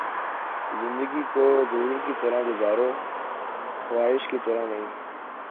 زندگی کو ضرورت کی طرح گزارو، خواہش کی طرح نہیں